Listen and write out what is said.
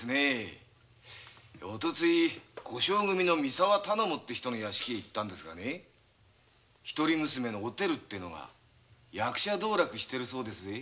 オトトイ小姓組の三沢頼母って人の屋敷へ行ったんですが一人娘のお照ってのが役者道楽してるそうですぜ。